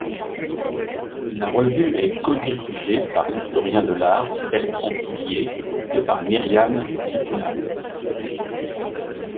La revue est codirigée par l'historien de l'art Bertrand Tillier et par Myriam Tsikounas.